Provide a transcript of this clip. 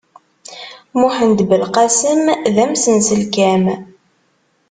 Muḥend Belqasem, d amsenselkam.